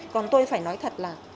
còn tôi phải nói thật là